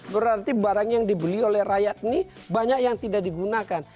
berarti barang yang dibeli oleh rakyat ini banyak yang tidak digunakan